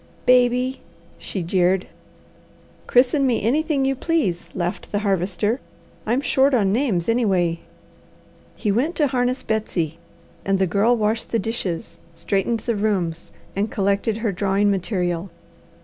"Baby!" she jeered. "Christen me anything you please," laughed the Harvester. "I'm short on names anyway." He went to harness Betsy, and the Girl washed the dishes, straightened the rooms, and collected her drawing material.